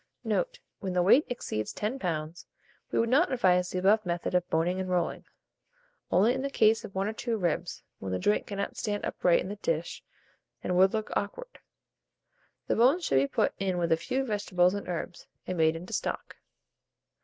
Note. When the weight exceeds 10 lbs., we would not advise the above method of boning and rolling; only in the case of 1 or 2 ribs, when the joint cannot stand upright in the dish, and would look awkward. The bones should be put in with a few vegetables and herbs, and made into stock.